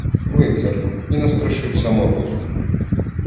Лицар і — настрашився морозу!